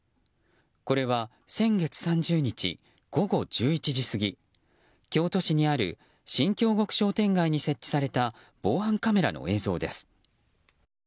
これは、先月３０日午後１１時過ぎ京都市にある新京極商店街に設置された防犯カメラの映像です。